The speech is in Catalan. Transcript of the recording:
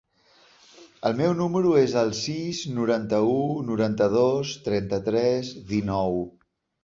El meu número es el sis, noranta-u, noranta-dos, trenta-tres, dinou.